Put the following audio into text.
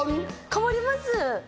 変わりますよ。